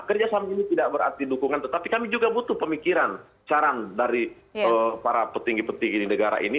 kerjasama ini tidak berarti dukungan tetapi kami juga butuh pemikiran saran dari para petinggi petinggi di negara ini